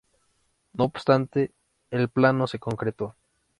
No obstante, el plan no se concretó.